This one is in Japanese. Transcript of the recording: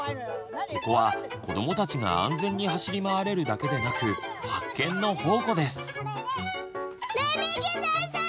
ここは子どもたちが安全に走り回れるだけでなく発見の宝庫です。